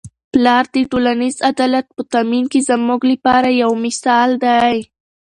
پلار د ټولنیز عدالت په تامین کي زموږ لپاره یو مثال دی.